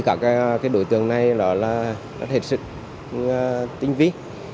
các đối tượng này rất hệt sự tinh ví